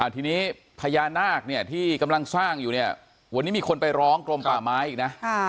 ทีนี้พญานาคเนี่ยที่กำลังสร้างอยู่เนี่ยวันนี้มีคนไปร้องกรมป่าไม้อีกนะ